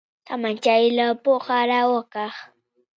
تمانچه يې له پوښه راوکښ.